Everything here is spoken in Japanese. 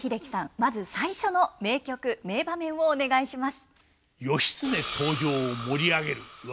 まず最初の名曲名場面をお願いします。